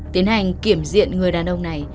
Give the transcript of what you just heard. tiến hành kiểm diện người đàn ông này